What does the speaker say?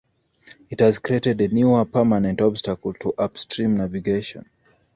It has created a newer, permanent obstacle to upstream navigation.